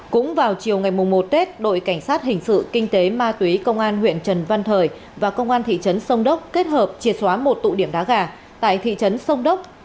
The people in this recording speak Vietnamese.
cũng vào chiều ngày một tết đội cảnh sát hình sự kinh tế ma túy công an huyện trần văn thời và công an thị trấn sông đốc kết hợp triệt xóa một tụ điểm đá gà tại thị trấn sông đốc